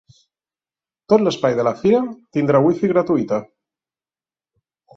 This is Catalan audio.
Tot l’espai de la fira tindrà wifi gratuïta.